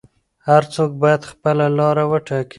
هر څوک باید خپله لاره وټاکي.